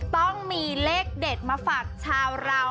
ต้องมีเลขเด็ดมาฝากชาวเรา